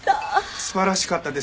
素晴らしかったですよね。